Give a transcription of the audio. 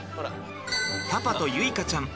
パパと結花ちゃん